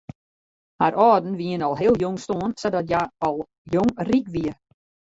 Har âlden wiene al heel jong stoarn sadat hja al jong ryk wie.